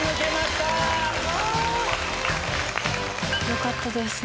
よかったです